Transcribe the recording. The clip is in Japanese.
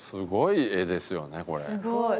すごい。